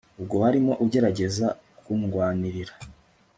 ubwo warimo ugerageza kundwanirira